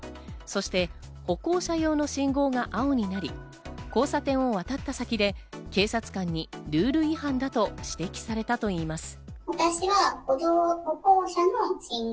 そして歩行者用の信号が青になり、交差点を渡った先で警察官にルール違反だと指摘されたといいます。